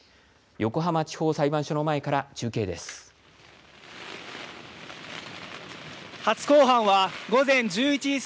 横浜地方裁判所の前から中継です。